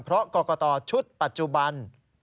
เพราะกรกตชุดปัจจุบัน